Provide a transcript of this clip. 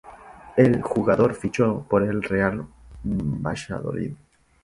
El jugador fichó por el Real Valladolid.